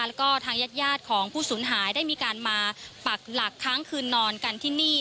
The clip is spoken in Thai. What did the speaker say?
แล้วก็ทางญาติของผู้สูญหายได้มีการมาปักหลักค้างคืนนอนกันที่นี่